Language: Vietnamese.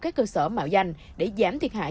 các cơ sở mạo danh để giảm thiệt hại